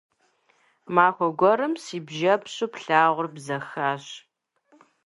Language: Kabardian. Махуэ гуэрым си бжьэпщу плъагъур бзэхащ.